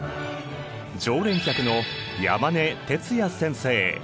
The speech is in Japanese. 常連客の山根徹也先生。